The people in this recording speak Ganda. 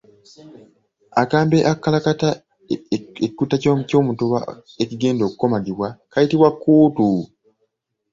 Akambe akakalakata ekikuta ky’omutuba ekigenda okukomagibwa kayitibwa kkuutu.